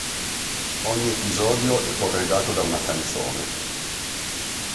Ogni episodio è corredato da una canzone.